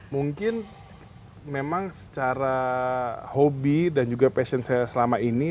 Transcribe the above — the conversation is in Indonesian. mungkin memang secara hobi dan juga passion saya selama ini